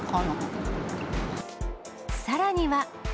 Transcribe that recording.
さらには。